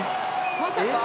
まさか？